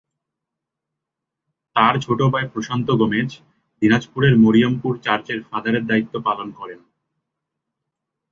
তাঁর ছোট ভাই প্রশান্ত গমেজ দিনাজপুরের মরিয়ামপুর চার্চের ফাদারের দায়িত্ব পালন করেন।